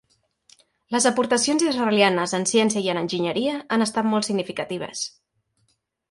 Les aportacions israelianes en ciència i en enginyeria han estat molt significatives.